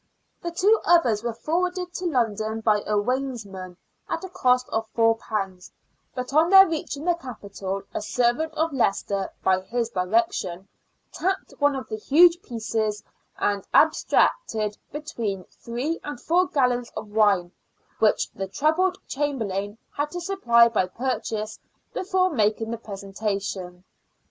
The two others were forwarded to London by a wainsman at a cost of £4 ; but on their reaching the capital a servant of Leicester, by his direction, tapped one of the huge pieces and ab stracted between three and four gallons of wine, which the troubled Chamberlain had to supply by purchase before making the presentation.